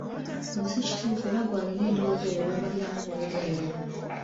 Kino si kituufu era ggwe alina endowooza eyo weemaliramu bwereere.